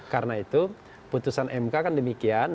karena itu putusan mk kan demikian